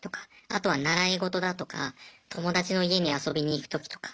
あとは習い事だとか友達の家に遊びに行く時とか。